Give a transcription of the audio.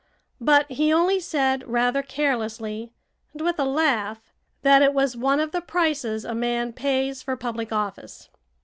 But he only said rather carelessly, and with a laugh, that it was one of the prices a man pays for public office.